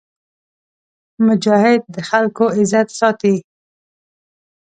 مجاهد د خلکو عزت ساتي.